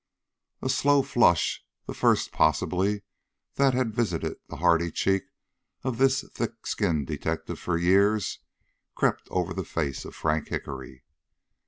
A slow flush, the first, possibly, that had visited the hardy cheek of this thick skinned detective for years, crept over the face of Frank Hickory.